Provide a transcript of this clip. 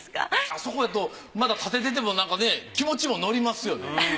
あそこやとたてててもなんかね気持ちも乗りますよね。